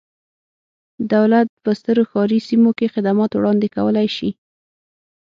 دولت په سترو ښاري سیمو کې خدمات وړاندې کولای شي.